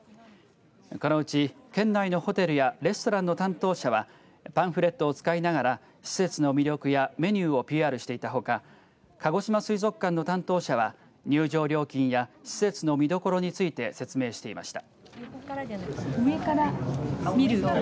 このうち県内のホテルやレストランの担当者はパンフレットを使いながら施設の魅力やメニューをＰＲしていたほかかごしま水族館の担当者は入場料金や施設の見どころについて説明していました。